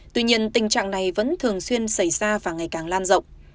tuy nhiên tình trạng này vẫn thường xuyên xảy ra và ngày càng lan rộng